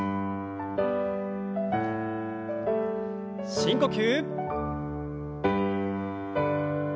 深呼吸。